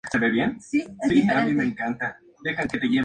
La catedral católica de Phnom Penh fue destruida.